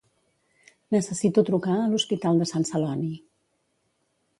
Necessito trucar a l'Hospital de Sant Celoni.